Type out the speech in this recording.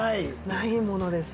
◆ないものです。